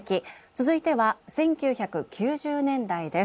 続いては１９９０年代です。